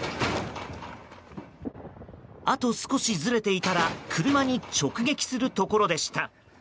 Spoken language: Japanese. あと少しずれていたら車に直撃するところでした。